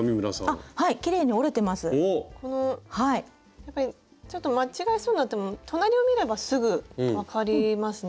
やっぱりちょっと間違えそうになっても隣を見ればすぐ分かりますね。